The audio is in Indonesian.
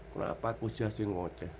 kenapa aku siasin ngoceh